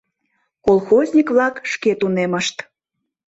Колхозник-влак шке тунемышт.